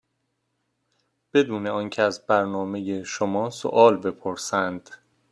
بدون آنکه از برنامه شما سوال بپرسند.